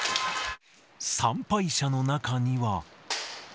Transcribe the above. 参拝者の中には。